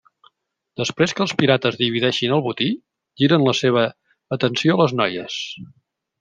Després que els pirates divideixin el botí, giren la seva atenció a les noies.